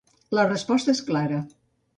La resposta és clara.